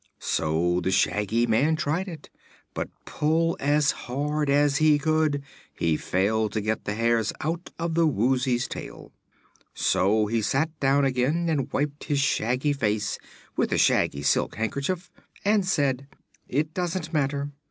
So the Shaggy Man tried it, but pull as hard as he could he failed to get the hairs out of the Woozy's tail. So he sat down again and wiped his shaggy face with a shaggy silk handkerchief and said: "It doesn't matter.